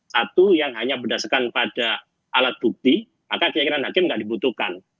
satu yang hanya berdasarkan pada alat bukti maka keyakinan hakim nggak dibutuhkan